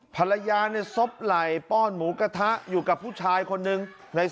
ภรรยาซบไหล่ป้อนหมูกระทะอยู่กับผู้ชายคนนึง